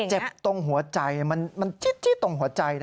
เจ็บตรงหัวใจมันจิ๊ดตรงหัวใจนะ